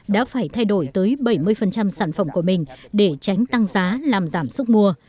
đã phải thay đổi tới bảy mươi sản phẩm của mình để tránh tăng giá làm giảm sức mua